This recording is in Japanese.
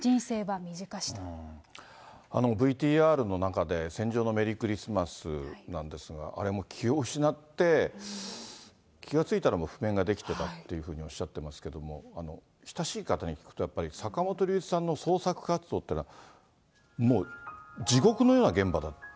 あのＶＴＲの中で、戦場のメリークリスマスなんですが、あれも気を失って、気が付いたら譜面が出来てたっていうふうにおっしゃってますけども、親しい方に聞くと、やっぱり坂本龍一さんの創作活動ってのは、もう地獄のような現場だと。